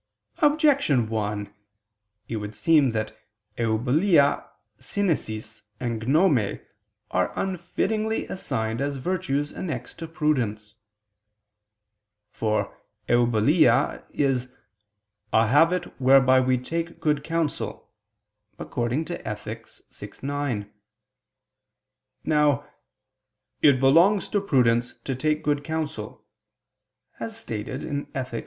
Objection 1: It would seem that "eubulia, synesis, and gnome" are unfittingly assigned as virtues annexed to prudence. For eubulia is "a habit whereby we take good counsel" (Ethic. vi, 9). Now it "belongs to prudence to take good counsel," as stated (Ethic.